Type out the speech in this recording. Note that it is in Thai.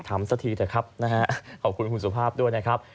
สักทีเถอะครับนะฮะขอบคุณคุณสุภาพด้วยนะครับ